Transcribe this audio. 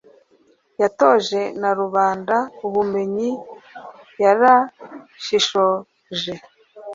yatoje na rubanda ubumenyi; yarashishoje